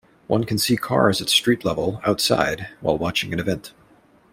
One can see cars at street level, outside, while watching an event.